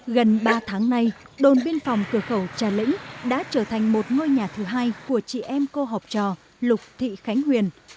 gần ba tháng nay đồn biên phòng cửa khẩu trà lĩnh đã trở thành một ngôi nhà thứ hai của chị em cô học trò lục thị khánh huyền